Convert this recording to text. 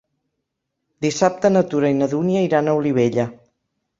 Dissabte na Tura i na Dúnia iran a Olivella.